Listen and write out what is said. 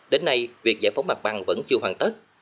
đến nay việc giải phóng mặt bằng vẫn chưa hoàn tất